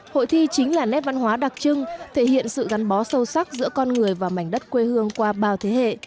hội thi chính là nét văn hóa đặc trưng thể hiện sự gắn bó sâu sắc giữa con người và mảnh đất quê hương qua bao thế hệ